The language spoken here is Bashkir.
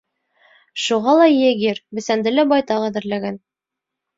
Шуға ла егерь бесәнде лә байтаҡ әҙерләгән.